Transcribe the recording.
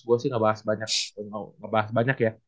gue sih ngebahas banyak ya